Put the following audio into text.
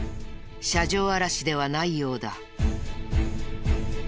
車上荒らしではないようだ。